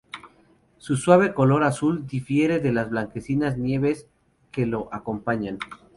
Su suave color azul difiere de las blanquecinas nieves que lo acompañan.